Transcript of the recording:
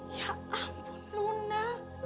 ya ampun luna